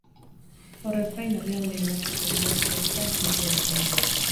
Horrez gain, herrialdeen arteko bidezko heltzea bermatu egiten du.